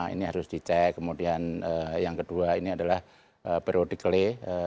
ini harus dicek kemudian yang kedua ini adalah periodically